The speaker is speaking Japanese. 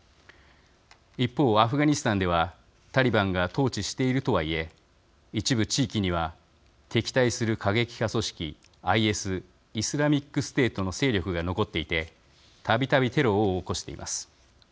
一方、アフガニスタンではタリバンが統治しているとは言え一部地域には敵対する過激派組織ＩＳ＝イスラミックステートの勢力が残っていてたびたびテロを起こしています。